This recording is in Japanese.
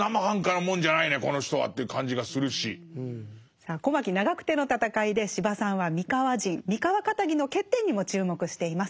さあ小牧・長久手の戦いで司馬さんは三河人三河かたぎの欠点にも注目しています。